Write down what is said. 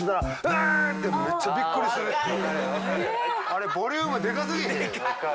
あれボリュームでかすぎひん？